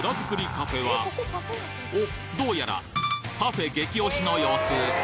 カフェはおっどうやらパフェ激推しの様子。